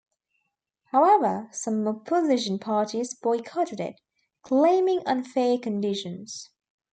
However, some opposition parties boycotted it, claiming unfair conditions.